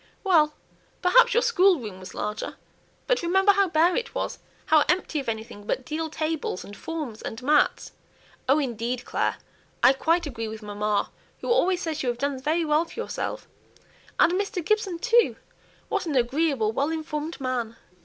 "Well! perhaps your schoolroom was larger, but remember how bare it was, how empty of anything but deal tables, and forms, and mats. Oh, indeed, Clare, I quite agree with mamma, who always says you have done very well for yourself; and Mr. Gibson too! What an agreeable, well informed man!"